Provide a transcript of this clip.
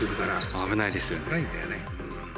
危ないんだよね。